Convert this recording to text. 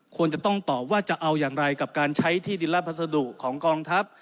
ควรจะต้องตอบว่าจะเอาอย่างไรกับการใช้ที่ดินและพัสดุของกองทัพ